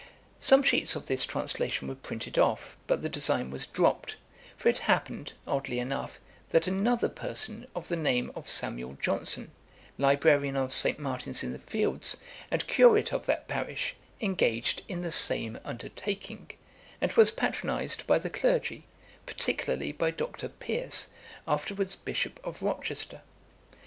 Some sheets of this translation were printed off, but the design was dropt; for it happened, oddly enough, that another person of the name of Samuel Johnson, Librarian of St. Martin's in the Fields, and Curate of that parish, engaged in the same undertaking, and was patronised by the Clergy, particularly by Dr. Pearce, afterwards Bishop of Rochester.